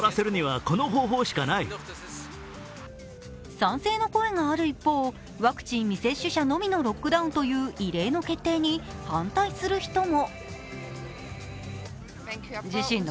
賛成の声がある一方、ワクチン未接種者のみのロックダウンという異例の決定に反対する人も。